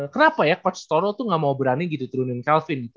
kenapa ya coach toro tuh gak mau berani gitu turunin calvin gitu